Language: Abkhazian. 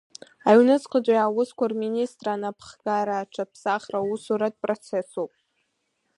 Аҩныҵҟатәи аусқәа Рминистрра анаԥхгара аҽаԥсахра усуратә процессуп.